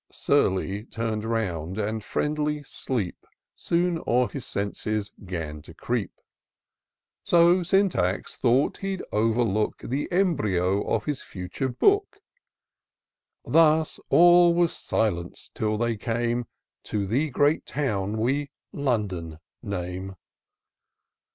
Surly tum'd round, and friendly sleep Soon o'er his senses 'gan to creep ; So Syntax thought he'd overlook The embryo of his ftiture Book : Thus all was silence till they came To the great town we London name.